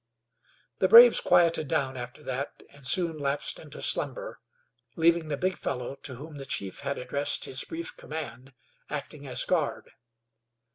The braves quieted down after that, and soon lapsed into slumber, leaving the big fellow, to whom the chief had addressed his brief command, acting, as guard.